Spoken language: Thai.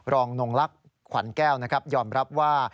รองนงลักษณ์ขวัญแก้วนะครับยอมรับว่า